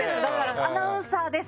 アナウンサーです